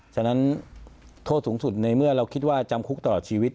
ฉะนั้นโทษสูงสุดในเมื่อเราคิดว่าจำคุกตลอดชีวิต